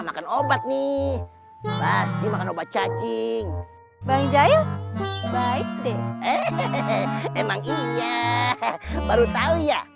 makan obat nih pasti makan obat cacing bang jail baik deh hehehe emang iya baru tahu ya